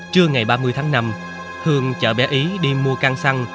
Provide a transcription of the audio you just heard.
trưa ngày ba mươi tháng năm hương chở bé ý đi mua căn xăng